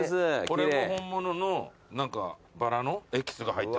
これも本物のバラのエキスが入って。